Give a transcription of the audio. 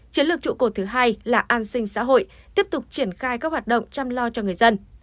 chiến lược trụ cột thứ hai là an sinh xã hội tiếp tục triển khai các hoạt động chăm lo cho người dân